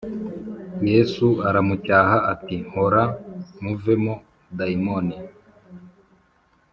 Yesu aramucyaha ati Hora muvemo Dayimoni